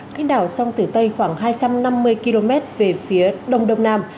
kinh đảo song tử tây khoảng hai trăm năm mươi km về phía đông đông nam